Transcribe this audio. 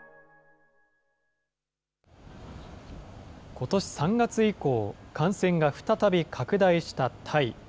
ことし３月以降、感染が再び拡大したタイ。